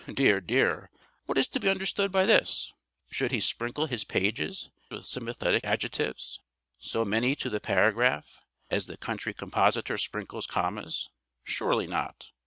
Dear! Dear! What is to be understood by this? Should he sprinkle his pages with sympathetic adjectives, so many to the paragraph, as the country compositor sprinkles commas? Surely not.